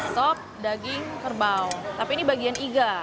sop daging kerbau tapi ini bagian iga